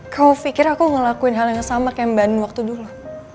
kau pikir aku ngelakuin hal yang sama kayak mbak nu waktu dulu